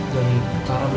dan clara belum